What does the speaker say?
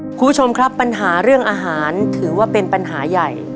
คุณผู้ชมครับปัญหาเรื่องอาหารถือว่าเป็นปัญหาใหญ่